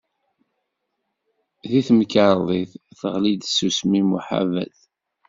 Deg temkerḍit, teɣli-d tsusmi muhabet.